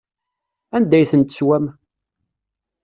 Anda ay ten-teswam?